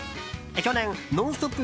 去年「ノンストップ！」